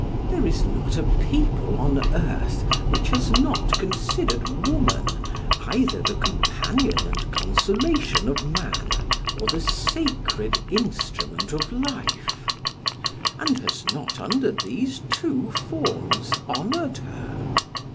There is not a people on earth which has not considered woman either the companion and consolation of man or the sacred instrument of life, and has not under these two forms honored her.